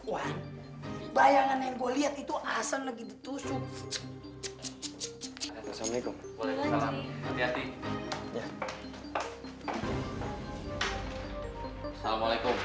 wan bayangan yang gua liat itu hasan lagi ditusuk